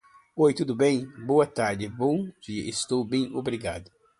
oi tudo bem boa tarde bom dia estou bem obrigado